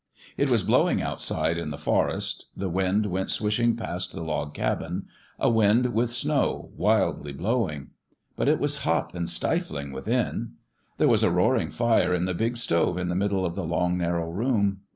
It was blowing outside in the forest : the wind went swishing past the log cabin a wind with snow, wildly blowing. But it was hot and stifling within. There was a roaring fire in the big stove in the middle of the long, narrow room.